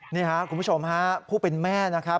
นี่ครับคุณผู้ชมฮะผู้เป็นแม่นะครับ